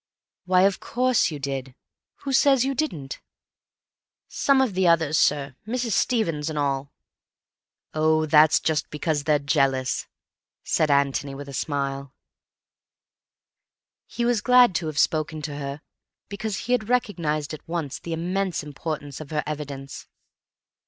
"Why, of course you did. Who says you didn't?" "Some of the others, sir—Mrs. Stevens and all." "Oh, that's just because they're jealous," said Antony with a smile. He was glad to have spoken to her, because he had recognized at once the immense importance of her evidence.